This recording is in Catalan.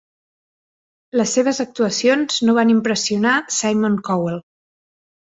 Les seves actuacions no van impressionar Simon Cowell.